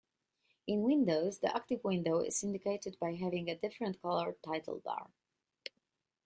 In Windows, the active window is indicated by having a different coloured title bar.